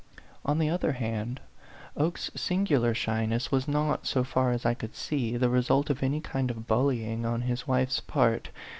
On the other hand, Oke's singular shyness was not, so far as I could see, the result of any kind of bullying on his wife's part.